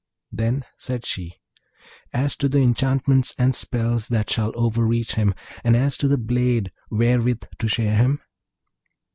Then said she, 'As to the enchantments and spells that shall overreach him, and as to the blade wherewith to shear him?'